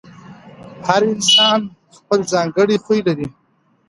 هر انسان خپل ځانګړی خوی لري.